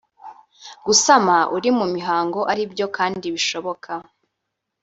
gusama uri mu mihango ari byo kandi bishoboka